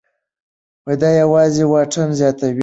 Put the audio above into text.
دا یوازې واټن زیاتوي.